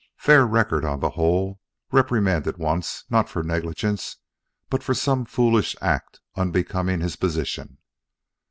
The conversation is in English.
Fair record on the whole. Reprimanded once, not for negligence, but for some foolish act unbecoming his position.